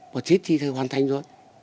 bảo thế thì hoàn thành rồi